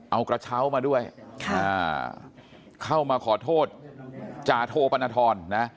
เอากระเช้ามาด้วยเข้ามาขอโทษจาโทปรณฑรนะ